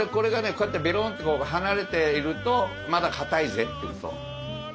こうやってベローンと離れているとまだかたいぜってこと。